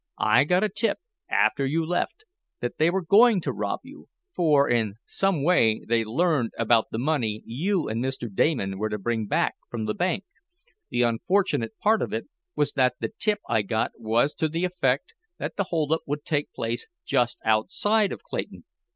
I got a tip after you left, that they were going to rob you, for, in some way, they learned about the money you and Mr. Damon were to bring from the bank. The unfortunate part of it was that the tip I got was to the effect that the hold up would take place just outside of Clayton.